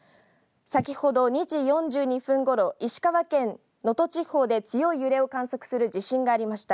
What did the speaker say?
先ほど２時４２分ごろ石川県能登地方で強い揺れを観測する地震がありました。